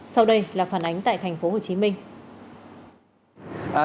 sau đây là phản ánh tại thành phố hồ chí minh